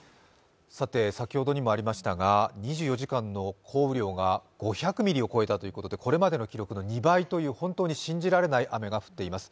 先ほどにもありましたが２４時間の降雨量が５００ミリを超えたということで今までの記録の２倍以上ということで本当に信じられない雨が降っています。